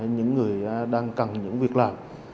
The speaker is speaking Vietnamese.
những người đang cần những việc làm